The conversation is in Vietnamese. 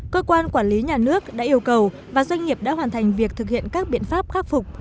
cơ quan quản lý nhà nước đã yêu cầu và doanh nghiệp đã hoàn thành việc thực hiện các biện pháp khắc phục